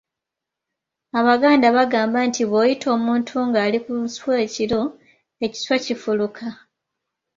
Abaganda bagamba nti bw’oyita omuntu ng’ali ku nswa ekiro, ekiswa kifuluka.